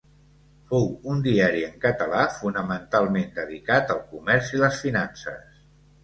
Fou un diari en català fonamentalment dedicat al comerç i les finances.